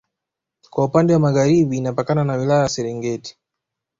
Kwa upande wa Magharibi inapakana na wilaya ya serengeti